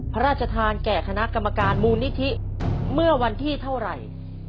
พระราชทานแก่คณะกรรมการมูลนิธิเมื่อวันที่เท่าไหร่